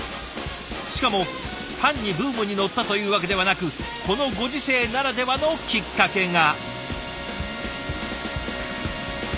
しかも単にブームに乗ったというわけではなくこのご時世ならではのきっかけが。